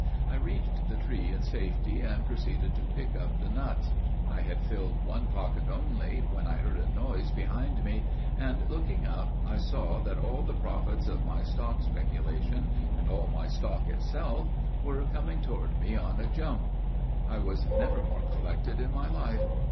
I reached the tree in safety, and proceeded to pick up the nuts. I had filled one pocket only when I heard a noise behind me, and, looking up, I saw that all the profits of my stock speculation, and all my stock itself, were coming toward me on a jump. I was never more collected in my life.